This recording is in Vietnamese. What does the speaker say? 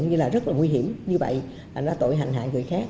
như là rất là nguy hiểm như vậy là nó tội hành hạ người khác